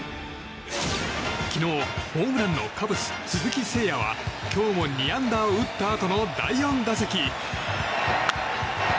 昨日、ホームランのカブス、鈴木誠也は今日も２安打を打ったあとの第４打席。